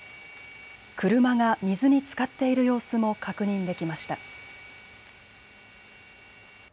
車が水につかっている様子も確認できました。